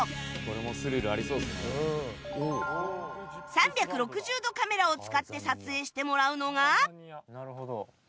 ３６０度カメラを使って撮影してもらうのが